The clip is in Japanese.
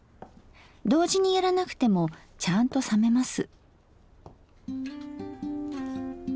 同時にやらなくてもちゃんと冷めます。